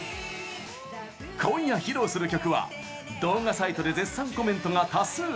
今夜、披露する曲は動画サイトで絶賛コメントが多数。